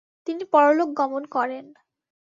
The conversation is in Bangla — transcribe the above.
তিনি পরলোক গমন করেন।